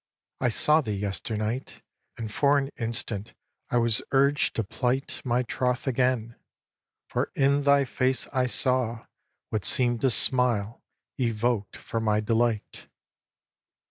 I saw thee yesternight, And for an instant I was urged to plight My troth again; for in thy face I saw What seem'd a smile evoked for my delight.